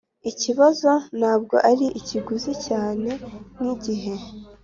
ikibazo ntabwo ari ikiguzi cyane nkigihe.